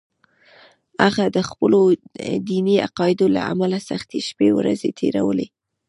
هغه د خپلو دیني عقایدو له امله سختې شپې ورځې تېرولې